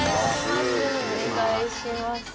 お願いします。